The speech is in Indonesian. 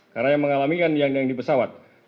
karena yang mengalami kan yang di pesawat